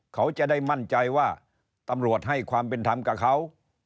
เขาจะได้มั่นใจว่าตำรวจให้ความเป็นธรรมกับเขา